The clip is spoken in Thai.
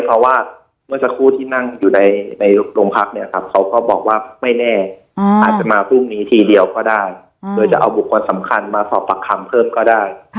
เพราะว่าเมื่อสักครู่ที่นั่งอยู่ในโรงพักเนี่ยครับเขาก็บอกว่าไม่แน่อาจจะมาพรุ่งนี้ทีเดียวก็ได้โดยจะเอาบุคคลสำคัญมาสอบปากคำเพิ่มก็ได้